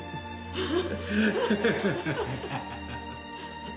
ハハハ。